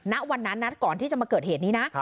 ณวันนั้นนะก่อนที่จะมาเกิดเหตุนี้นะ